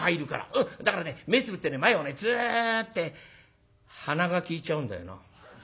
うんだからね目つぶってね前をねツーッて鼻が利いちゃうんだよな。